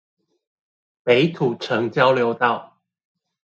北土城交流道